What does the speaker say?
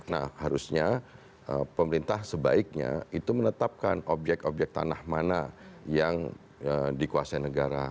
nah harusnya pemerintah sebaiknya itu menetapkan objek obyek tanah mana yang dikuasai negara